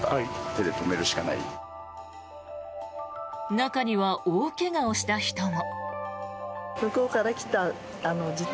中には大怪我をした人も。